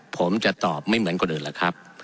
ผมจะตอบไม่เหมือนคนอื่นหรอกครับ